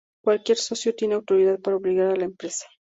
Cualquier socio tiene autoridad para obligar a la empresa.